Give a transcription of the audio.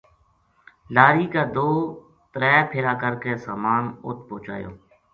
لاری کا دو ترے پھیرا کر کے سامان اَت پوہچایو